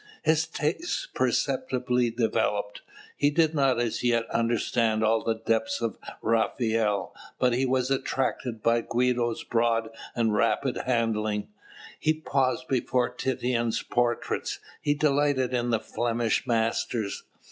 His taste perceptibly developed. He did not as yet understand all the depths of Raphael, but he was attracted by Guido's broad and rapid handling, he paused before Titian's portraits, he delighted in the Flemish masters.